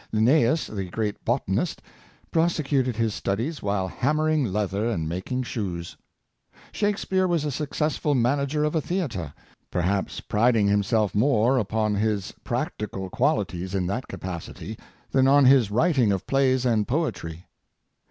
Linnseus, the great botanist, prosecuted his studies while ham mering leather and making shoes. Shakspeare was a successful manager of a theatre — perhaps priding him self more upon his practical qualities in that capacity than on his writing of plays and poetry.